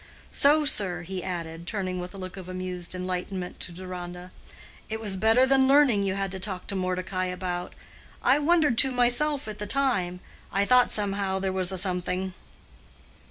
"So, sir," he added, turning with a look of amused enlightenment to Deronda, "it was better than learning you had to talk to Mordecai about! I wondered to myself at the time. I thought somehow there was a something."